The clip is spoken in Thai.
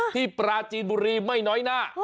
ปราจีนบุรีไม่น้อยหน้า